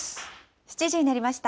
７時になりました。